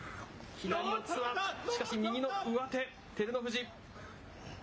左四つは、しかし右の上手、照ノ富士。